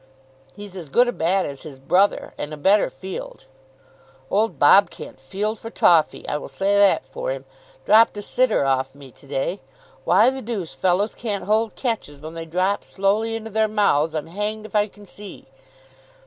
"He's as good a bat as his brother, and a better field." "Old Bob can't field for toffee. I will say that for him. Dropped a sitter off me to day. Why the deuce fellows can't hold catches when they drop slowly into their mouths I'm hanged if I can see."